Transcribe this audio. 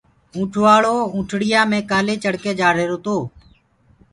اونٺ وآݪواونٺڻييآ مي ڪآلي چڙه ڪي جآ ريهرو تو